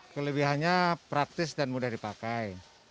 kelebihannya praktis dan mudah dipakai